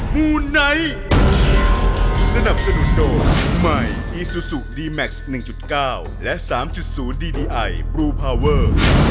มูไนท์สนับสนุนโดยใหม่อีซูซูดีแม็กซ์๑๙และ๓๐ดีดีไอบลูพาวเวอร์